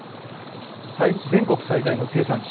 全国最大の生産地